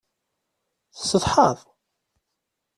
Tessetḥaḍ?